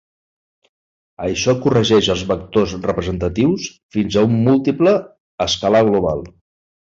Això corregeix els vectors representatius fins a un múltiple escalar global.